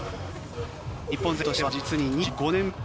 日本勢としては、実に２５年ぶり